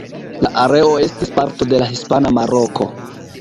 La areo estis parto de la Hispana Maroko.